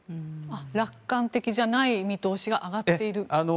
楽観的じゃない見通しが上がっている？